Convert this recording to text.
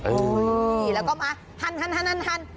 โอ้ยแล้วก็มาหั่น